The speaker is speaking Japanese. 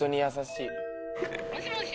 もしもし。